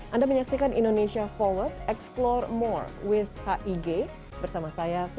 anda menyaksikan indonesia forward explore more with hig bersama saya visi